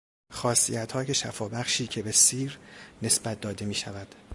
خاصیتهای شفابخشی که به سیر نسبت داده میشود